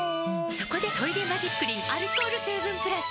そこで「トイレマジックリン」アルコール成分プラス！